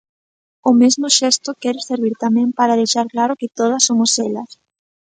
O mesmo xesto quere servir tamén para deixar claro que Todas somos elas.